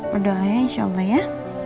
berdoa insya allah ya